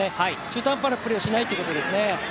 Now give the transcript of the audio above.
中途半端なプレーをしないということですね。